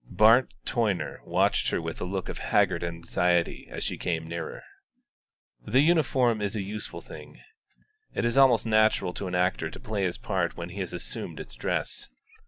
Bart Toyner watched her with a look of haggard anxiety as she came nearer. A uniform is a useful thing. It is almost natural to an actor to play his part when he has assumed its dress.